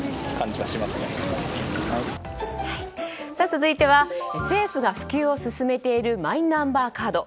続いては政府が普及を進めているマイナンバーカード。